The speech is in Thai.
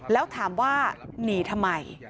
แล้วถามว่าหนีทำไม